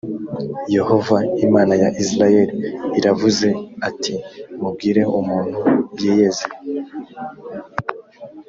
yehova imana ya isirayeli iravuze ati: mubwire umuntu yiyeze